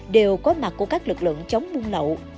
đều có mặt của các lực lượng chống buôn lậu